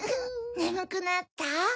ねむくなった？